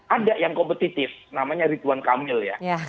ada yang kompetitif namanya ridwan kamil ya